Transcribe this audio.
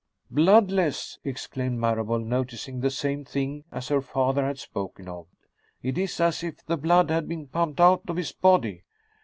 "Bloodless," exclaimed Marable, noticing the same thing as her father had spoken of. "It is as if the blood had been pumped out of his body!"